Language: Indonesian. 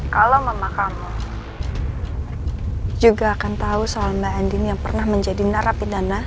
kalau mama kamu juga akan tahu soal mbak andi ini yang pernah menjadi narapidana